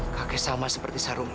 kakek sama seperti sarung